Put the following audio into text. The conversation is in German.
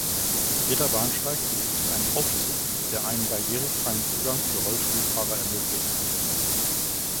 Jeder Bahnsteig besitzt einen Aufzug, der einen barrierefreien Zugang für Rollstuhlfahrer ermöglicht.